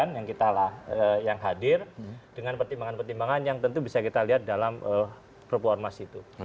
yang kitalah yang hadir dengan pertimbangan pertimbangan yang tentu bisa kita lihat dalam perpu ormas itu